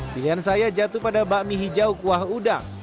pilihan saya jatuh pada bakmi hijau kuah udang